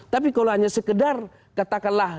tapi kalau hanya sekedar katakanlah